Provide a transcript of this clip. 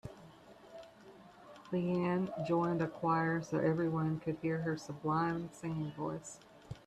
Leanne joined a choir so everyone could hear her sublime singing voice.